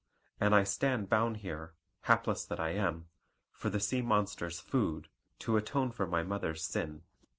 And I stand bound here, hapless that I am, for the sea monster's food, to atone for my mother's sin.